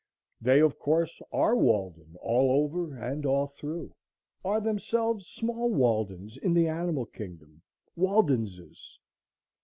They, of course, are Walden all over and all through; are themselves small Waldens in the animal kingdom, Waldenses.